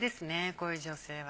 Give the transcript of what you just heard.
こういう女性は。